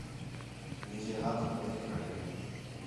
مینجے ہتھ ٻَدھے کھڑین